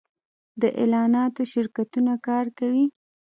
د اعلاناتو شرکتونه کار کوي